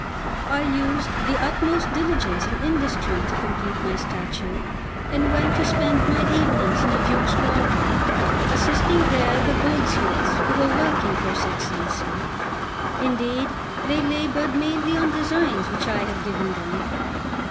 I used the utmost diligence and industry to complete my statue, and went to spend my evenings in the Duke's wardrobe, assisting there the goldsmiths who were working for his Excellency. Indeed, they laboured mainly on designs which I had given them.